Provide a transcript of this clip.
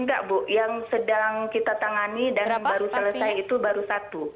enggak bu yang sedang kita tangani dan baru selesai itu baru satu